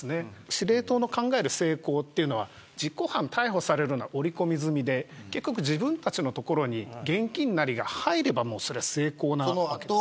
司令塔の考える成功は実行犯が逮捕されるのは織り込み済みで自分たちのところに現金なりが入ればそれは成功です。